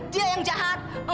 dia yang jahat